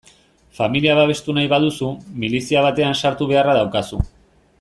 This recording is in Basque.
Familia babestu nahi baduzu, milizia batean sartu beharra daukazu.